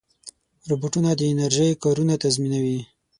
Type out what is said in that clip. روبوټونه د انرژۍ کارونه تنظیموي.